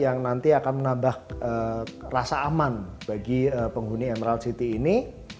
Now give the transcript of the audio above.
yang nanti akan menambah rasa aman bagi penghuni emerald city ini